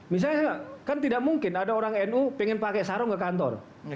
misalnya kan tidak mungkin ada orang nu pengen pakai sarung ke kantor